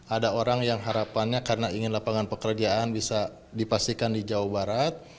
ada orang yang harapannya karena ingin lapangan pekerjaan bisa dipastikan di jawa barat